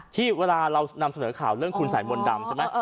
ที่เรานำเสนอข่าวเรื่องคุณสายมนต์ดำใช่ไหม